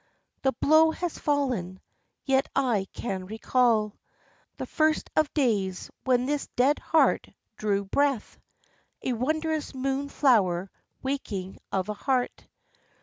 The blow has fallen, yet I can recall The first of days when this dead heart drew breath A wondrous moon flower waking of a heart.